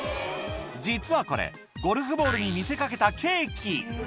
実はこれゴルフボールに見せかけたケーキ